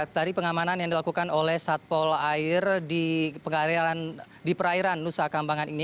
tadi pengamanan yang dilakukan oleh satpol air di perairan nusa kambangan ini